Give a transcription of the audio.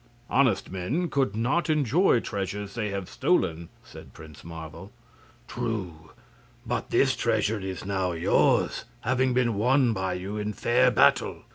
"Honest men could not enjoy treasures they have stolen," said Prince Marvel. "True; but this treasure is now yours, having been won by you in fair battle.